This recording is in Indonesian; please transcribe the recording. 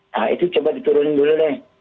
nah itu coba diturunin dulu deh